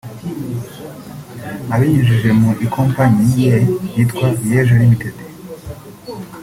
Abinyujije mu ikompanyi ye yitwa ‘Yeejo Limited’